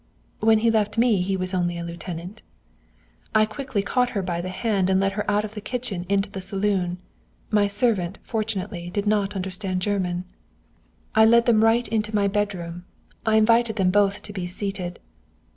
"'When he left me he was only a lieutenant.' "I quickly caught her by the hand and led her out of the kitchen into the saloon. My servant, fortunately, did not understand German. "I led them right into my bedroom. I invited them both to be seated.